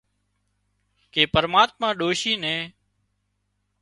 ڪي پرماتما ڏوشي نين